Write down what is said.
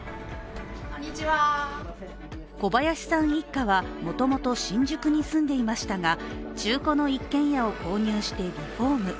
小林さん一家は、もともと新宿に住んでいましたが中古の一軒家を購入してリフォーム。